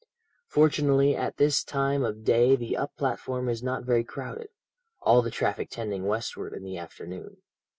"Fortunately at this time of day the up platform is not very crowded, all the traffic tending westward in the afternoon.